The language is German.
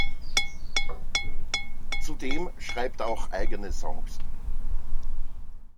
Zudem schreibt er auch eigene Songs.